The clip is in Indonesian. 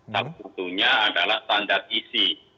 satu satunya adalah standar isi